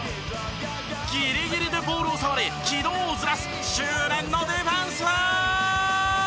ギリギリでボールを触り軌道をずらす執念のディフェンス！